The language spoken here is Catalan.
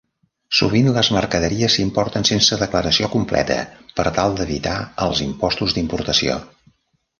Sovint les mercaderies s'importen sense declaració completa per tal d'evitar els impostos d'importació.